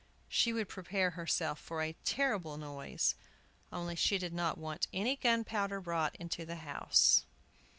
She would prepare herself for a terrible noise, only she did not want any gunpowder brought into the house.